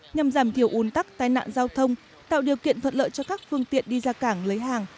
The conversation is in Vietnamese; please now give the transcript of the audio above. nhằm giảm thiểu un tắc tai nạn giao thông tạo điều kiện thuận lợi cho các phương tiện đi ra cảng lấy hàng